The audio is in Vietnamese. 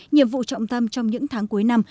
nhiệm vụ trọng tâm trong những tháng cuối năm